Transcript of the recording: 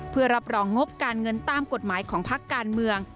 เพื่อรับรองงบการเงินตามกฎหมายของพักการเมือง